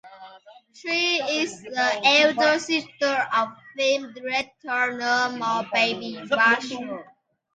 She is the elder sister of film director Nirmal Baby Varghese.